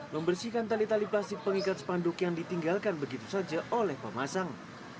membersihkan tali tali plastik pengikat spanduk yang ditinggalkan begitu saja oleh pemasang